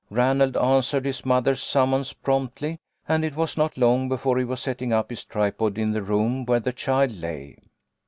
Ranald answered his mother's summons promptly, and it was not long before he was setting up his tripod in the room where the child lay.